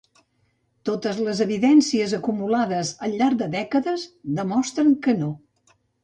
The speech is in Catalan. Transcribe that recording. Totes les evidències acumulades al llarg de dècades demostren que no.